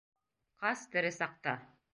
Ҡас, тере саҡта.